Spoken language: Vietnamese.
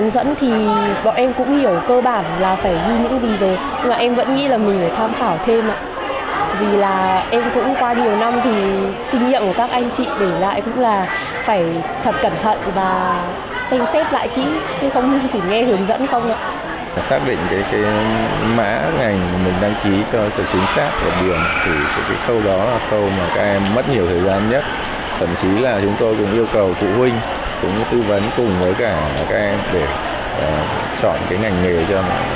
vì thế các trường yêu cầu phụ huynh đồng hành cùng với con mình trong quá trình đăng ký